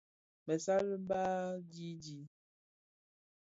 Bëssali baà di bi.